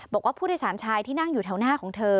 บอกว่าผู้โดยสารชายที่นั่งอยู่แถวหน้าของเธอ